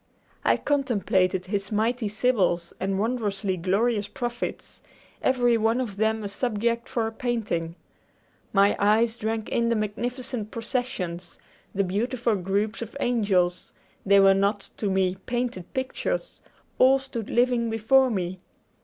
I contemplated his mighty sibyls and wondrously glorious prophets, every one of them a subject for a painting. My eyes drank in the magnificent processions, the beautiful groups of angels; they were not, to me, painted pictures; all stood living before me.